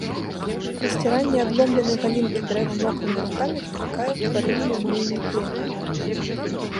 Расціранне адломленай галінкі дрэва мокрымі рукамі выклікае ўтварэнне мыльнай пены.